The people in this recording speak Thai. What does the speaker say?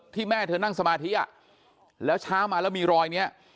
แม่เธอนั่งสมาธิอ่ะแล้วเช้ามาแล้วมีรอยเนี้ย